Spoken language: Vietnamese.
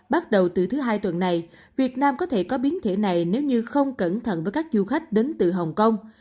bắt đầu từ thứ hai tuần này việt nam có thể có biến thể này nếu như không cẩn thận với các du khách đến từ hồng kông